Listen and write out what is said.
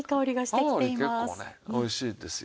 青のり結構ねおいしいですよ。